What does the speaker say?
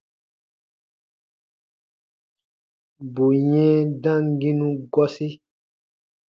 Bù yɛ̃ɛ damginu gɔsi.